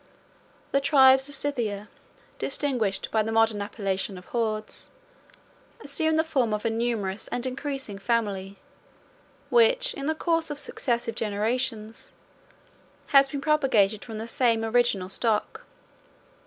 The tribes of Scythia, distinguished by the modern appellation of Hords, assume the form of a numerous and increasing family; which, in the course of successive generations, has been propagated from the same original stock.